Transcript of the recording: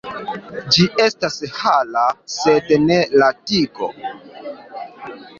Ĝi estas hara sed ne la tigo.